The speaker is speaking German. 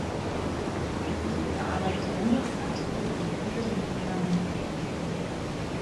Wenn sie ihre Arbeit beendet hat, wird sie diese dem Parlament vorlegen.